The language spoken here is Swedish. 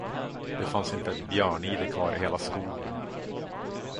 Det fanns inte ett björnide kvar i hela skogen.